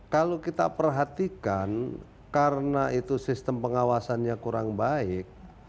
kalau kita perhatikan karena itu sistem pengawasannya kurang baik